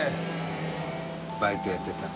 バイトやってたの。